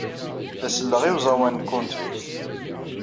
La selleɣ i uẓawan n country.